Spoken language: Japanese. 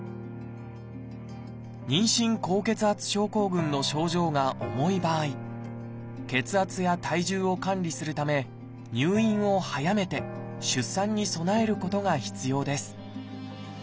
妊娠高血圧症候群の症状が重い場合血圧や体重を管理するため入院を早めて出産に備えることが必要です。